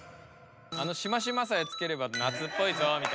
あのシマシマさえつければ夏っぽいぞみたいな。